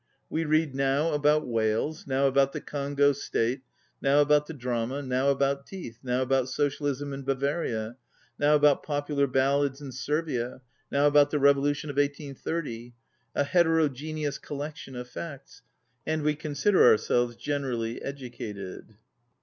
We read now about whales, now about the Congo State, now about the drama, now about teeth, now about social ism in Bavaria, now about popular ballads in Servia, now about the Revolution of 1830, ŌĆö a hetero geneous collection of facts, ŌĆö and we consider ourselves generally educated.